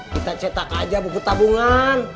kita cetak aja bubut tabungan